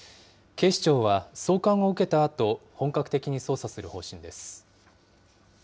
警視庁は、送還を受けたあと、本格的に捜査する方針です。